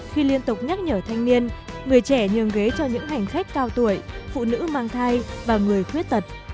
khi liên tục nhắc nhở thanh niên người trẻ nhường ghế cho những hành khách cao tuổi phụ nữ mang thai và người khuyết tật